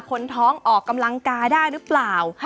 คนท้องออกกำลังกายได้หรือเปล่า